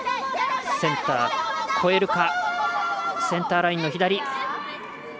センターラインの左。